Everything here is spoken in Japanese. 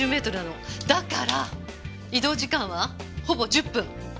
だから移動時間はほぼ１０分。